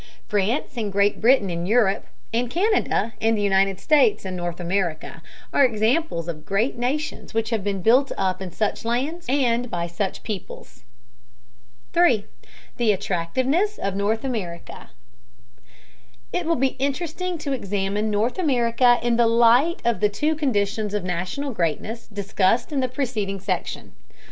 France and Great Britain in Europe, and Canada and the United States in North America, are examples of great nations which have been built up in such lands and by such peoples. 3. THE ATTRACTIVENESS OF NORTH AMERICA. It will be interesting to examine North America in the light of the two conditions of national greatness discussed in the preceding section.